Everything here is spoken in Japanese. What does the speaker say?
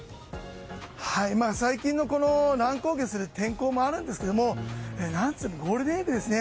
最近の乱高下する天候もあるんですが何といってもゴールデンウィークですね。